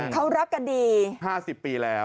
เขารักกันดี๕๐ปีแล้ว